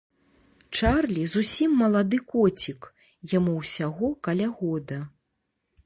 Чарлі зусім малады коцік, яму ўсяго каля года.